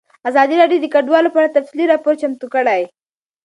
ازادي راډیو د کډوال په اړه تفصیلي راپور چمتو کړی.